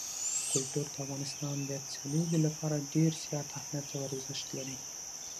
کلتور د افغانستان د اقتصادي ودې لپاره ډېر زیات اهمیت او ارزښت لري.